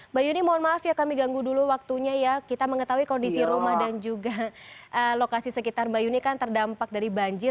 mbak yuni mohon maaf ya kami ganggu dulu waktunya ya kita mengetahui kondisi rumah dan juga lokasi sekitar mbak yuni kan terdampak dari banjir